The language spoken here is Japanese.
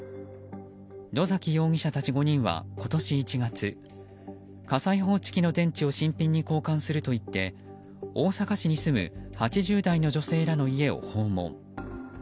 野崎容疑者たち５人は今年１月火災報知機の電池を新品に交換するといって大阪市に住む８０代の女性らの家を訪問。